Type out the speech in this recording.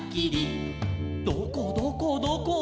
「どこどこどこ？」